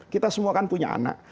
kita semua kan punya anak